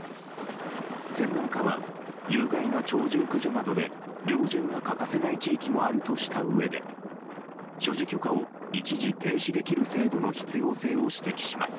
専門家は、有害な鳥獣駆除などで猟銃が欠かせない地域もあるとしたうえで所持許可を一時停止できる制度の必要性を指摘します。